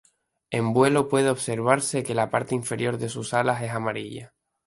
En vuelo puede observarse que la parte inferior de sus alas es amarilla.